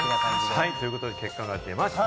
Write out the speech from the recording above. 結果が出ました。